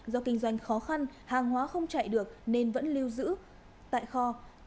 do kinh doanh khó khăn hàng hóa không chạy được nên vẫn lưu giữ tại kho